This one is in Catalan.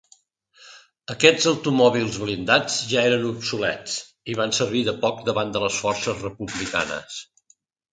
Aquests automòbils blindats ja eren obsolets i van servir de poc davant les forces republicanes.